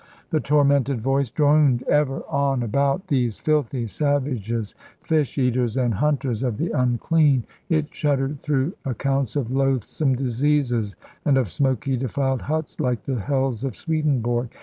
The tormented voice droned ever on about these filthy savages, fish eaters, and hunters of the unclean; it shuddered through accounts of loathsome diseases, and of smoky defiled huts like the hells of Swedenborg.